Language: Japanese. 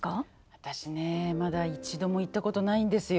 私ねまだ一度も行ったことないんですよ。